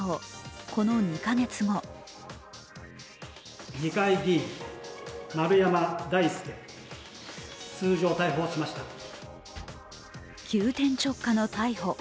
この２か月後急転直下の逮捕。